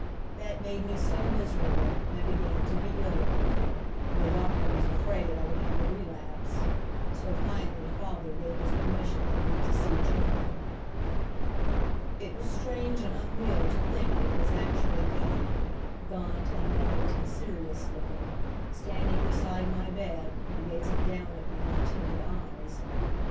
That made me so miserable I began to be ill again, and the doctor was afraid I would have a relapse; so finally father gave his permission for me to see Johnny. It was strange and unreal to think that it was actually he, gaunt and white and serious looking, standing beside my bed and gazing down at me with timid eyes.